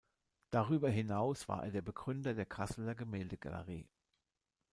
Darüber hinaus war er der Begründer der Kasseler Gemäldegalerie.